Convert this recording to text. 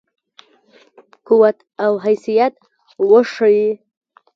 قوت او حیثیت وښيي.